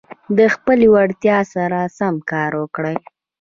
د خپلي وړتیا سره سم کار وکړئ.